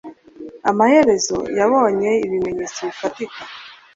Amaherezo, yabonye ibimenyetso bifatika.